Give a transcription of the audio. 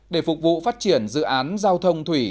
để phục vụ phát triển dự án giao thông thủy